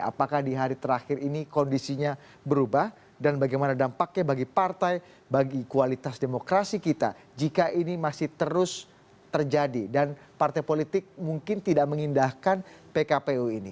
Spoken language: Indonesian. apakah di hari terakhir ini kondisinya berubah dan bagaimana dampaknya bagi partai bagi kualitas demokrasi kita jika ini masih terus terjadi dan partai politik mungkin tidak mengindahkan pkpu ini